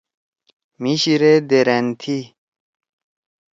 مھی شیِرے دیرأن تھی۔